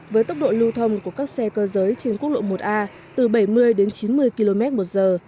với tốc độ lưu thông của các xe cơ giới trên quốc lộ một a từ bảy mươi đến chín mươi km một giờ